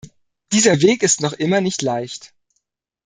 Dieser Weg ist noch immer nicht leicht.